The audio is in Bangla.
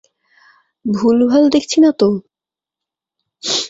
ভুলভাল দেখছি না তো!